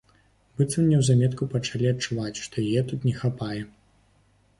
Быццам неўзаметку пачалі адчуваць, што яе тут не хапае.